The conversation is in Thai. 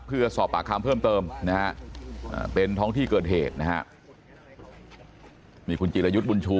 เพื่อสอบปากคำเพิ่มเติมนะฮะเป็นท้องที่เกิดเหตุนะฮะมีคุณจิรยุทธ์บุญชู